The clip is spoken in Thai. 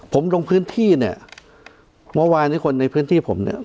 ผมลงพื้นที่เนี่ยเมื่อวานนี้คนในพื้นที่ผมเนี่ย